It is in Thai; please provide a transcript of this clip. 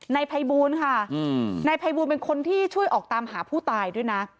นายภัยบูลค่ะนายภัยบูลเป็นคนที่ช่วยออกตามหาผู้ตายด้วยนะ